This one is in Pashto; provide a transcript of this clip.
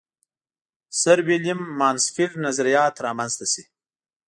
سرویلیم مانسفیلډ نظریات را منځته شي.